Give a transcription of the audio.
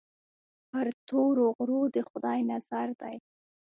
پر تورو غرو د خدای نظر دی.